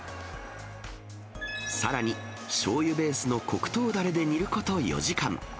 さらにしょうゆベースの黒糖だれで煮ること、４時間。